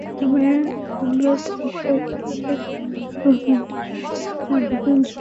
তবে আমরা পরিচয়পত্রের ভুলভ্রান্তি সংশোধনের আবেদন জমা নিয়ে ঢাকায় পাঠিয়ে দিচ্ছি।